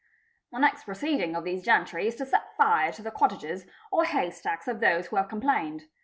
"The next proceeding of these gentry is to set fire to the cottages or — haystacks. of those who have complained.